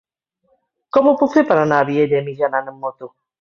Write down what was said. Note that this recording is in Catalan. Com ho puc fer per anar a Vielha e Mijaran amb moto?